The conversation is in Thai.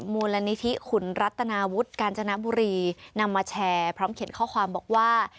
มูลนิธิขุนรัตนาวุฒิกาญจนบุรีนำมาแชร์พร้อมเขียนข้อความบอกว่า